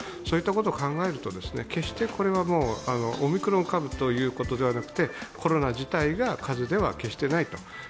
そういったことを考えると決してこれはもうオミクロン株ということではなくて、コロナ自体が風邪では決してないと。